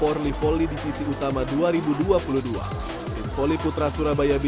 of sports greeting tim utama dan setelah berjalan k hearsay beberapa sisi juga virtual di